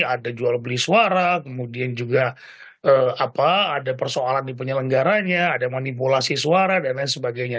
ada jual beli suara kemudian juga ada persoalan di penyelenggaranya ada manipulasi suara dan lain sebagainya